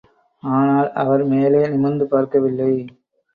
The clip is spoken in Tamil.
ஆனால், அவர் மேலே நிமிர்ந்து பார்க்கவில்லை.